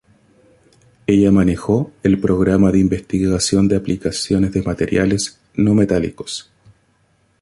Ella manejó el programa de Investigación de Aplicaciones de Materiales No-Metálicos.